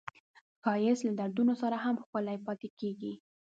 ښایست له دردونو سره هم ښکلی پاتې کېږي